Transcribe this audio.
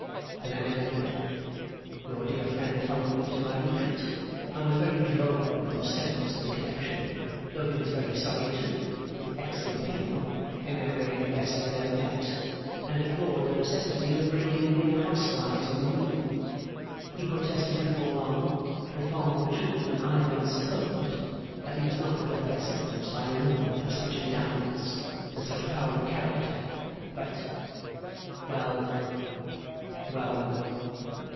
And I never did. Your dear friend followed me to my retreat, and was very droll on the severance of the connection; though he was sorry, too, for the excellent people (in their way the best he had ever met), and deplored the necessity of breaking mere house flies on the wheel. He protested before long, and far more truly than I then supposed, that he was not worth acceptance by a woman of such endowments, and such power of character; but well, well